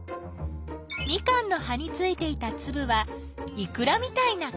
ミカンの葉についていたつぶはいくらみたいな形！